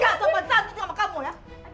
jangan sopan santun sama kamu ya